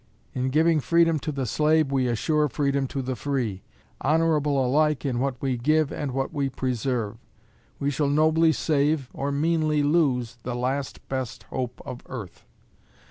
In giving freedom to the slave we assure freedom to the free honorable alike in what we give and what we preserve. We shall nobly save, or meanly lose, the last best hope of earth.